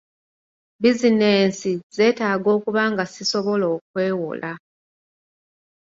Buzinensi zeetaaga okuba nga sisobola okwewola.